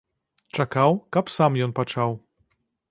Чакаў, каб сам ён пачаў.